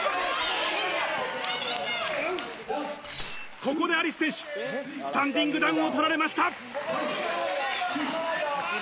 ここでアリス選手、スタンディングダウンを取られました。